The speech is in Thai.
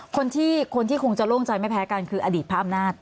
คนที่คนที่คงจะโล่งใจไม่แพ้กันคืออดีตพระอำนาจ